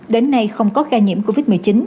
đến nay không có ca nhiễm covid một mươi chín